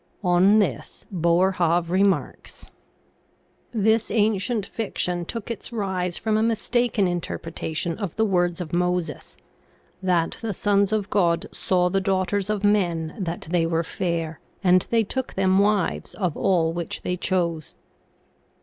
On this Boerhaave remarks :" This ancient fiction took its rise from a mistaken in terpretation of the words of Moses, * That the sons of God saw the daughters of men that they were fair, and they took them wives of all which they chose.